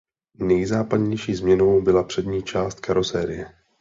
Nejnápadnější změnou byla přední část karosérie.